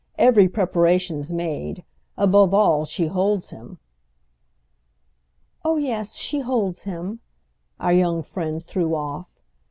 Every preparation's made. Above all she holds him." "Oh yes, she holds him!" our young friend threw off.